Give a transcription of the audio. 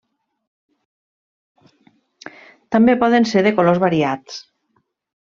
També poden ser de colors variats.